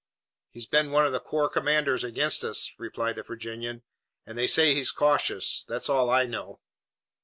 "He's been one of the corps commanders against us," replied the Virginian, "and they say he's cautious. That's all I know."